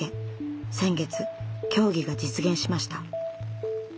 先月協議が実現しました。